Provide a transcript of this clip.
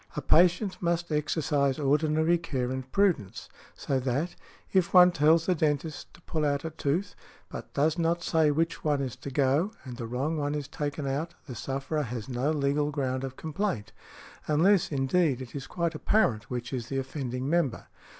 A patient must exercise ordinary care and prudence ; so that, if one tells the dentist to pull out a tooth, but does not say which one is to go, and the wrong one is taken out, the sufferer has no legal ground of complaint, unless, indeed, it is quite apparent which is the offending member.